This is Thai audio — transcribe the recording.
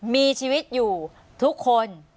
มีชีวิตอยู่ทุกคน